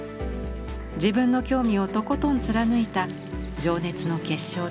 自分の興味をとことん貫いた情熱の結晶です。